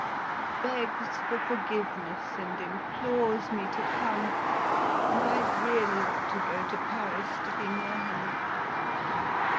He begs for forgiveness, and implores me to come, and I really ought to go to Paris to be near him.